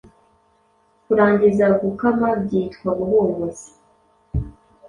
Kurangiza Gukama byitwa Guhumuza